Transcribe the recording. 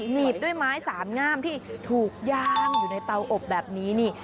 หนีบด้วยไม้สามงามที่ถูกย่างอยู่ในเตาอบแบบนี้นี่